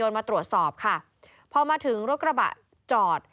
มาตรวจสอบค่ะพอมาถึงรถกระบะจอด